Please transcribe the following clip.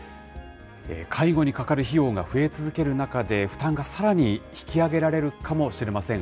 介護にかかる費用が増え続ける中で、負担がさらに引き上げられるかもしれません。